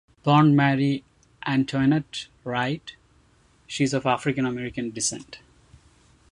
Born Marie Antoinette Wright, she is of African American descent.